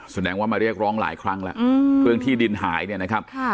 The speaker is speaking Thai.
แสดงว่ามาเรียกร้องหลายครั้งแล้วเรื่องที่ดินหายเนี่ยนะครับ